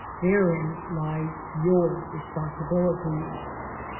Therein lies your responsibility.